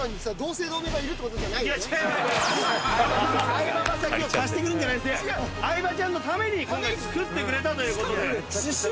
「相葉雅紀」を貸してるんじゃなくて相葉ちゃんのために今回作ってくれたということで。